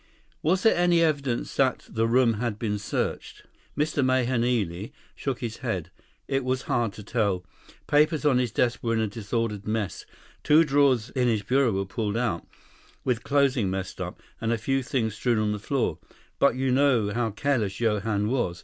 "Was there any evidence that the room had been searched?" Mr. Mahenili shook his head. "It was hard to tell. Papers on his desk were in a disordered mess. Two drawers in his bureau were pulled out, with clothing messed up, and a few things strewn on the door. But you know how careless Johann was.